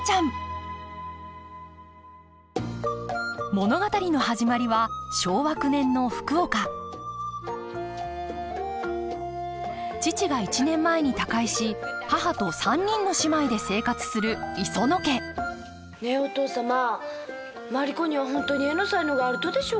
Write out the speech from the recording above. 物語の始まりは昭和９年の福岡父が１年前に他界し母と３人の姉妹で生活する磯野家ねえお父様マリ子には本当に絵の才能があるとでしょうか？